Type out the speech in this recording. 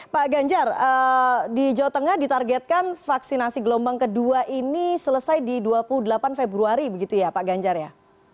pak ganjar di jawa tengah ditargetkan vaksinasi gelombang kedua ini selesai di dua puluh delapan februari begitu ya pak ganjar ya